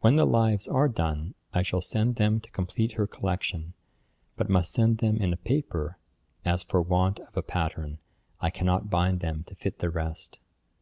When the Lives are done, I shall send them to complete her collection, but must send them in paper, as for want of a pattern, I cannot bind them to fit the rest.